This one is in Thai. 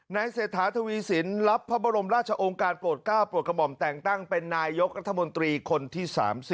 เศรษฐาทวีสินรับพระบรมราชองค์การโปรด๙โปรดกระหม่อมแต่งตั้งเป็นนายกรัฐมนตรีคนที่๓๐